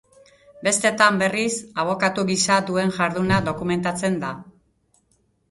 Bestetan, berriz, abokatu gisa duen jarduna dokumentatzen da.